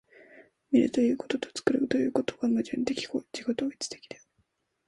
見るということと作るということとが矛盾的自己同一的である。